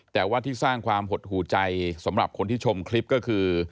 แต่ว่าที่สร้างความหดหูใจสำหรับคนที่ชมคลิปก็คือ